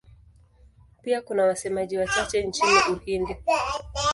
Pia kuna wasemaji wachache nchini Uhindi.